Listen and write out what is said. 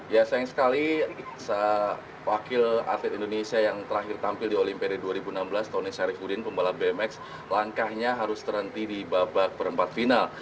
ya sayang sekali wakil atlet indonesia yang terakhir tampil di olimpiade dua ribu enam belas tony syarifudin pembalap bmx langkahnya harus terhenti di babak perempat final